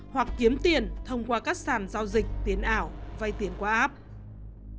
hoặc kiếm tiền thông qua các sàn giao dịch tiền ảo vay tiền qua app